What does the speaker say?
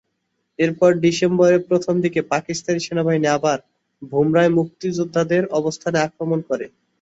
এরপর ডিসেম্বরের প্রথম দিকে পাকিস্তান সেনাবাহিনী আবার ভোমরায় মুক্তিযোদ্ধাদের অবস্থানে আক্রমণ করে।